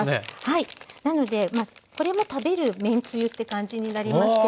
なのでこれも食べるめんつゆって感じになりますけれども。